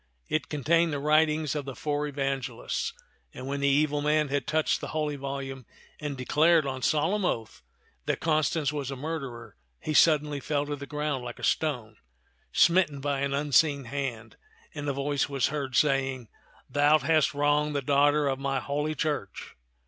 It contained the writ ings of the four Evangelists ; and when the evil man had touched the holy volume and declared on solemn oath that Constance was a murderer, he suddenly fell to the ground like a stone, smitten by an unseen hand ; and a voice was heard saying, " Thou hast wronged the daughter of my Holy Church."